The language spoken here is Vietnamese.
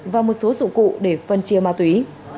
và một số dụng cụ để phân chia ma túy